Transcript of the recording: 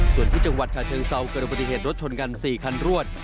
ส่วนที่จังหวัดชาเชิงเซาเกิดอุบัติเหตุรถชนกัน๔คันรวด